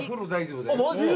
マジで。